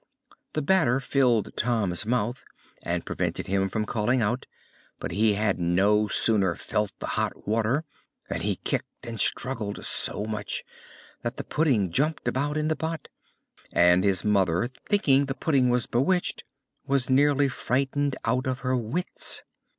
The batter filled Tom's mouth, and prevented him from calling out, but he had no sooner felt the hot water, than he kicked and struggled so much that the pudding jumped about in the pot, and his mother, thinking the pudding was bewitched, was nearly frightened out of her wits.